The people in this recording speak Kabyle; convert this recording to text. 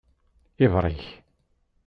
Ibrik.